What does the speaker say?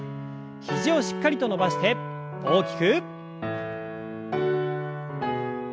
肘をしっかりと伸ばして大きく。